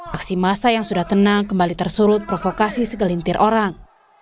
aksi masa yang sudah tenang kembali tersulut provokasi segelintir orang